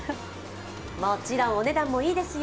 もちろんお値段もいいですよ。